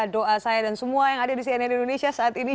doa saya dan semua yang ada di cnn indonesia saat ini